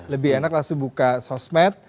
lebih enak langsung buka sosmed